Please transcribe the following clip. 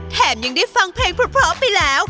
แถมยังได้ฟังเพลงพร้อมไปแล้ว